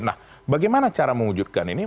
nah bagaimana cara mewujudkan ini